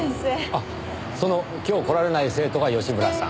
あっその今日来られない生徒が吉村さん。